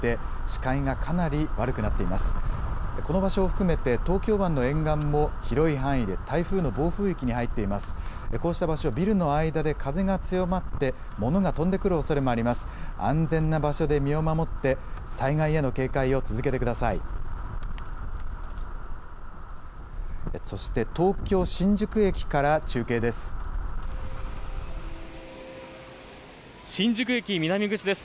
そして、東京・新宿駅から中継です。